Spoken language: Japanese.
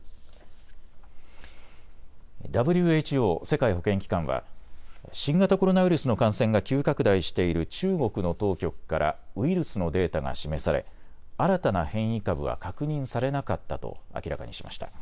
ＷＨＯ・世界保健機関は新型コロナウイルスの感染が急拡大している中国の当局からウイルスのデータが示され新たな変異株は確認されなかったと明らかにしました。